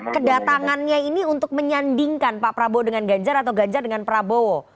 kedatangannya ini untuk menyandingkan pak prabowo dengan ganjar atau ganjar dengan prabowo